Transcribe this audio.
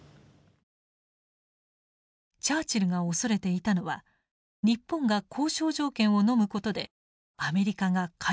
チャーチルが恐れていたのは日本が交渉条件をのむことでアメリカが開戦に踏み切らないことでした。